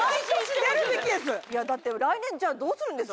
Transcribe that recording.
だって来年じゃあどうするんですか？